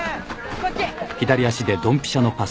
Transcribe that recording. こっち！